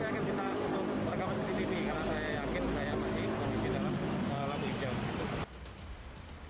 sehingga kita ternyata nanti saya akan kita rekam cctv karena saya yakin saya masih di dalam lampu hijau